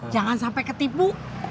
jangan sampai ketipu